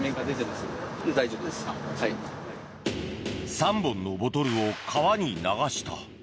３本のボトルを川に流した。